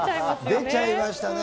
出ちゃいましたね。